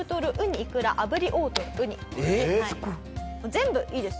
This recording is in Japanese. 全部いいです。